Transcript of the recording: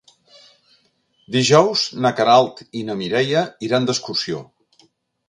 Dijous na Queralt i na Mireia iran d'excursió.